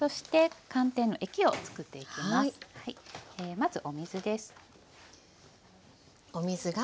まずお水です。